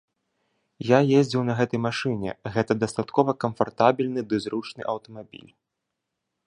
Я ездзіў на гэтай машыне, гэта дастаткова камфартабельны ды зручны аўтамабіль.